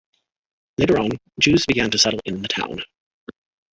Later on, Jews began to settle in the town.